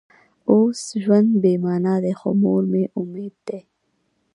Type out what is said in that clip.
اوس ژوند بې معنا دی خو مور مې امید دی